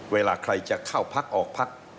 เวลาใครจะเข้าพักออกพัก